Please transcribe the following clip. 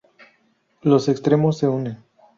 Los extremos se unen.